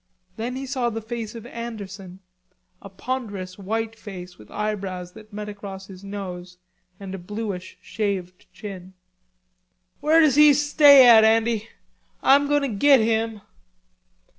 Then he saw the face of Anderson, a ponderous white face with eyebrows that met across his nose and a bluish, shaved chin. "Where does he stay at, Andy? I'm going to git him."